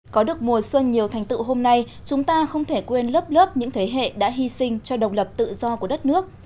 có được mùa xuân nhiều thành tựu hôm nay chúng ta không thể quên lớp lớp những thế hệ đã hy sinh cho độc lập tự do của đất nước